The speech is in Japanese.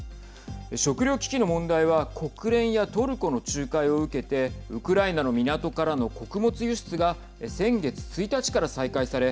食料危機の問題は国連やトルコの仲介を受けてウクライナの港からの穀物輸出が先月１日から再開され